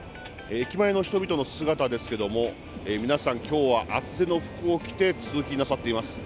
駅前の人々の姿ですけれども、皆さん、きょうは厚手の服を着て、通勤なさっています。